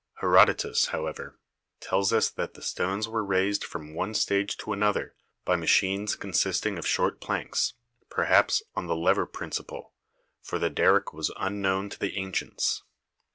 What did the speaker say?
Herodotus, however, tells us that the stones were raised from one stage to another by machines consisting of short planks, perhaps on the lever principle, for the derrick was unknown to the ancients.